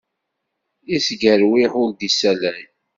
Isgerwiḥ ur d-issalay.